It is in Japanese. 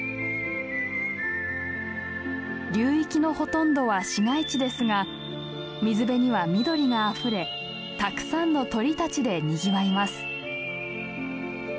流域のほとんどは市街地ですが水辺には緑があふれたくさんの鳥たちでにぎわいます。